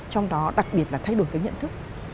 trong đó đặc biệt là thay đổi cái nhận thức